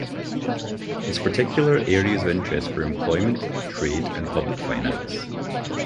His particular areas of interest were employment, trade and public finance.